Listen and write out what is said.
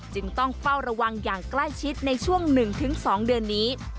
จึงต้องเฝ้าระวังอย่างใกล้ชิดในช่วง๑๒เดือนนี้